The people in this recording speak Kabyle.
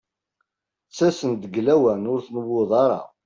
Ttasent-d deg lawan ur tnewwuḍ ara.